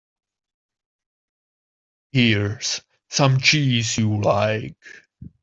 Here's some cheese you like.